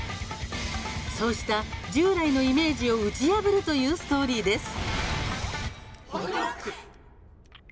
そうした従来のイメージを打ち破るというストーリーです。